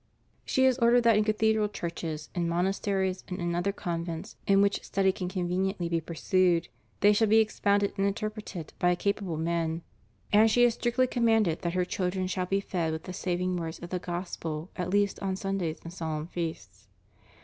She has ordered that in cathedral churches, in monasteries, and in other con vents in which study can conveniently be pursued, they shall be expounded and interpreted by capable men; and she has strictly commanded that her children shall be fed with the saving words of the Gospel at least on Sundaj^s and solemn feasts.'